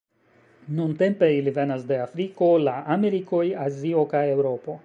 Nuntempe ili venas de Afriko, la Amerikoj, Azio kaj Eŭropo.